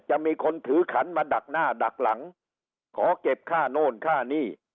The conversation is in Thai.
จะมีคนถือขันมาดักหน้าดักหลังขอเก็บค่าโน่นค่านี่